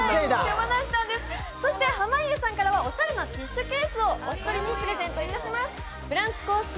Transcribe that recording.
そして、濱家さんからはおしゃれなティッシュケースをお一人にプレゼントします。